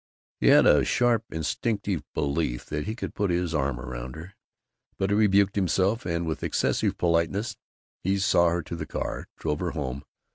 He had a sharp instinctive belief that he could put his arm around her, but he rebuked himself and with excessive politeness he saw her to the car, drove her home.